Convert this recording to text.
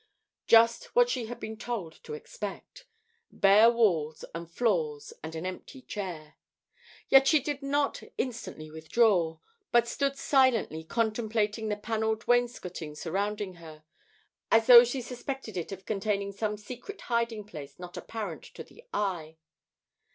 Just what she had been told to expect! Bare walls and floors and an empty chair! Yet she did not instantly withdraw, but stood silently contemplating the panelled wainscoting surrounding her, as though she suspected it of containing some secret hiding place not apparent to the eye.